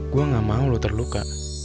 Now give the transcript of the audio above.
gue gak mau lo terluka